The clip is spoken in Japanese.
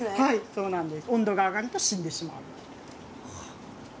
そうなんです。